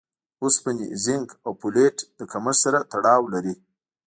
اوسپنې، زېنک او فولېټ له کمښت سره تړاو لري.